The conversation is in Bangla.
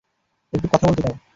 একটু কথা বলতে দাও।